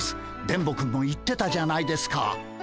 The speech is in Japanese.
電ボくんも言ってたじゃないですか。